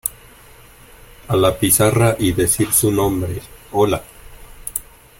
a la pizarra y decir su nombre. hola .